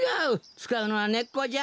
つかうのはねっこじゃ。